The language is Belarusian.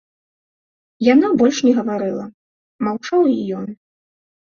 Яна больш не гаварыла, маўчаў і ён.